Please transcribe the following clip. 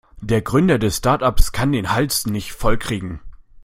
Der Gründer des Startups kann den Hals nicht voll kriegen.